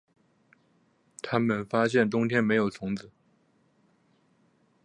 他们发现冬天没有虫子